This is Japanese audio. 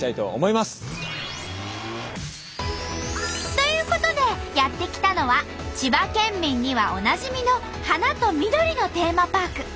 ということでやって来たのは千葉県民にはおなじみの花と緑のテーマパーク。